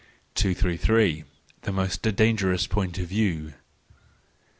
233 The most Dangerous Point of View.